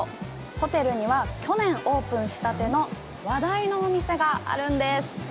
ホテルには、去年オープンしたての話題のお店があるんです。